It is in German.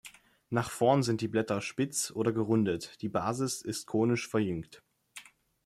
Nach vorn sind die Blätter spitz oder gerundet, die Basis ist konisch verjüngt.